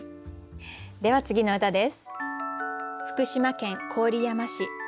では次の歌です。